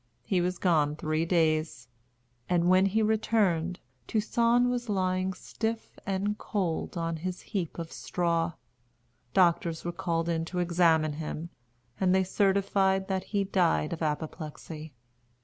He was gone three days; and when he returned, Toussaint was lying stiff and cold on his heap of straw. Doctors were called in to examine him, and they certified that he died of apoplexy.